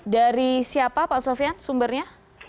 dari siapa pak sofian sumbernya